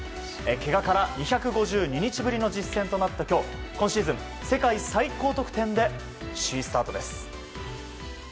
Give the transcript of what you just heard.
けがから２５２日ぶりの実戦となった今日今シーズン世界最高得点で新スタートです。